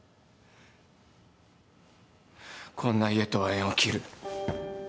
こんな家とは縁を切る。